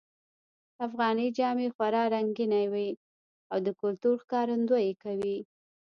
افغانۍ جامې خورا رنګینی وی او د کلتور ښکارندویې کوی